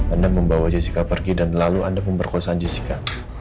anda membawa jessica pergi dan lalu anda memperkosa jessica